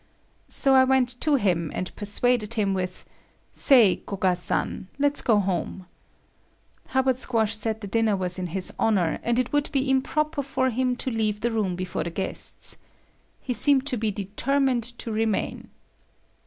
So I went to him and persuaded him with "Say, Koga san, let's go home." Hubbard Squash said the dinner was in his honor, and it would be improper for him to leave the room before the guests. He seemed to be determined to remain.